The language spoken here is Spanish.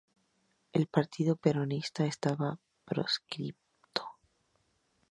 El Partido Peronista estaba proscripto.